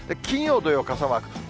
金曜、土曜、傘マーク。